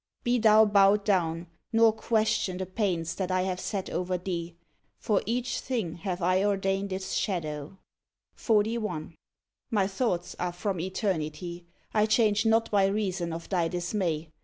Be thou bowed down, nor question the pains that I have set over thee : for each thing have I ordained its shadow. 41. My thoughts are from eternity; I change not 139 "THE FOR'TT 'THIRD CHAP'tER OF JOB by reason of thy dismay.